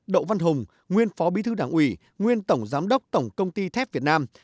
đậu văn hùng nguyên phó bí thư đảng ủy nguyên tổng giám đốc tổng công ty thép việt nam